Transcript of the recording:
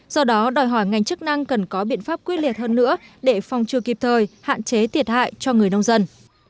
do đó đòi hỏi ngành chức năng cần có biện pháp quyết liệt hơn nữa để phòng trừ kịp thời hạn chế thiệt hại cho người nông dân